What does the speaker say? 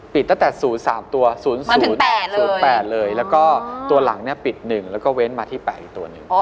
ปิดตั้งแต่๐๓ตัว๐๘เลยแล้วก็ตัวหลังปิด๑แล้วก็เว้นมาที่๘อีกตัวนึง